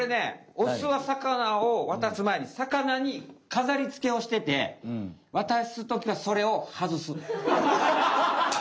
オスは魚を渡す前に魚にかざりつけをしてて渡すときはそれをはずす。